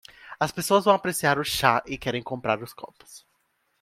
As pessoas vão apreciar o chá e querem comprar os copos.